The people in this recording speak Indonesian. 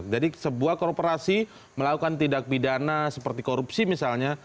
jadi sebuah korporasi melakukan tindak pidana seperti korupsi misalnya